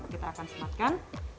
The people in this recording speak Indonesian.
kita akan sematkan